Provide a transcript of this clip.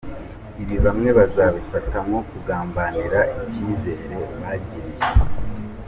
Ibi bamwe bazabifata nko kugambanira icyizere bayigiriye.